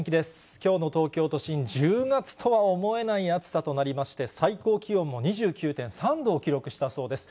きょうの東京都心１０月とは思えない暑さとなりまして、最高気温も２９．３度を記録したそうです。